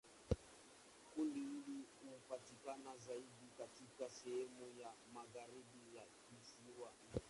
Kundi hili hupatikana zaidi katika sehemu ya magharibi ya kisiwa hiki.